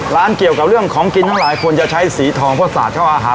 เกี่ยวกับเรื่องของกินทั้งหลายคนจะใช้สีทองเพราะสาดเข้าอาหาร